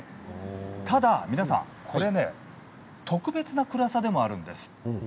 ただ皆さん、特別な暗さでもあるんです。